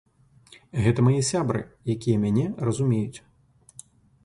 Гэта мае сябры, якія мяне разумеюць.